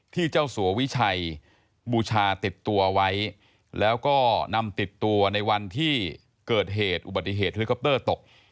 เจ้าสัววิชัยบูชาติดตัวไว้แล้วก็นำติดตัวในวันที่เกิดเหตุอุบัติเหตุเฮลิคอปเตอร์ตก